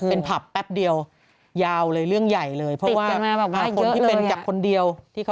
เป็นผับแป๊บเดียวยาวเลยเรื่องใหญ่เลยเพราะว่าคนที่เป็นจากคนเดียว